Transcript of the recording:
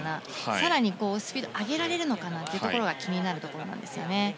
更にスピードを上げられるのかなというところが気になるところなんですよね。